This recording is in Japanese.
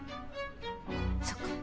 そっか。